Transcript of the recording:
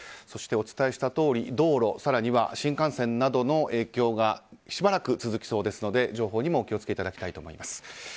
お伝えしたとおり道路、更には新幹線などの影響がしばらく続きそうですので情報にもお気を付けいただきたいと思います。